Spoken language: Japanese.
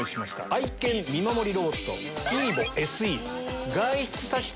愛犬見守りロボット。